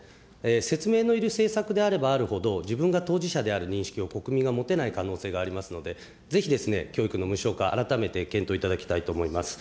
説明のいる政策であればあるほど、自分が当事者である認識を国民が持てない可能性がありますので、ぜひ教育の無償化、改めて検討いただきたいと思います。